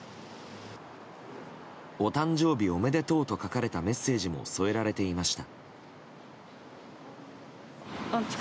「おたんじょう日おめでとう」と書かれたメッセージも添えられていました。